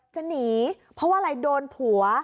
จะหนีเพราะว่าอะไรโดนผัว